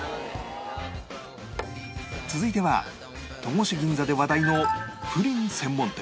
続いては戸越銀座で話題のプリン専門店